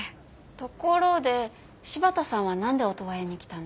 ところで柴田さんは何でオトワヤに来たの？